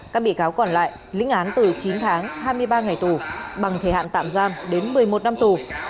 các bị cáo còn lại lĩnh án từ chín tháng hai mươi ba ngày tù bằng thời hạn tạm giam đến một mươi một năm tù